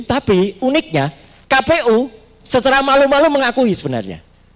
tapi uniknya kpu secara malu malu mengakui sebenarnya